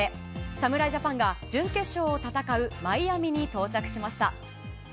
侍ジャパンが準決勝を戦うマイアミに到着しました。